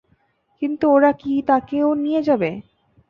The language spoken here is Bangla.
কিন্তু ওরা কি তাকেও নিয়ে যাবে?